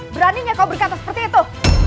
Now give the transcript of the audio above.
beraninya kau berkata seperti itu